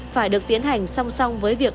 phải được tiến hành song song với việc